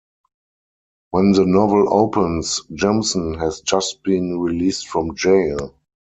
When the novel opens, Jimson has just been released from jail.